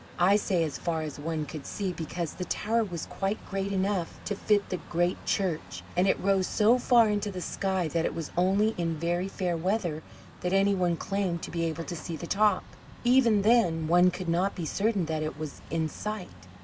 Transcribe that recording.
I say as far as one could see, because the tower was quite great enough to fit the great church, and it rose so far into the sky that it was only in very fair weather that any one claimed to be able to see the top. Even then one could not be certain that it was in sight.